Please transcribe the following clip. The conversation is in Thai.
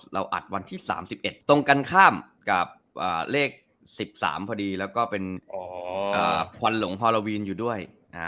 อัดวันที่๓๑ตรงกันข้ามกับเลข๑๓พอดีแล้วก็เป็นควันหลงฮอโลวีนอยู่ด้วย